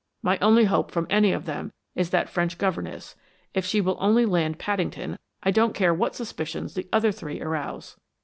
My only hope from any of them is that French governess. If she will only land Paddington I don't care what suspicions the other three arouse."